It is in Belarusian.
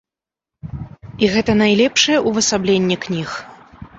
І гэта найлепшае ўвасабленне кніг.